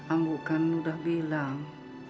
ambu kan udah bilang